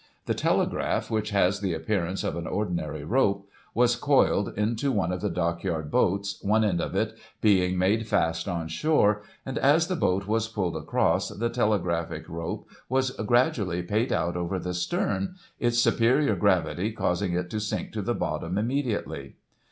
The telegraph, which has the appearance of an ordinary rope, was coiled into one of the dockyard boats, one end of it being made fast on shore, and, as the boat was pulled across, the telegraphic rope was gradually paid out over the stern, its superior gravity causing it to sink to the bottom immediately.